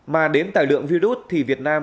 mà đếm tài lượng virus thì việt nam